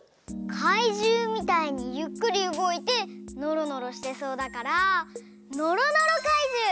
かいじゅうみたいにゆっくりうごいてのろのろしてそうだからのろのろかいじゅう！